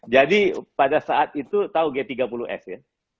jadi pada saat itu tahu g tiga puluh s ya